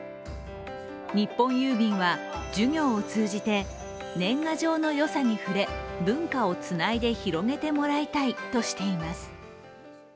日本郵便は授業を通じて年賀状のよさに触れ文化をつないで広げてもらいたいとしています。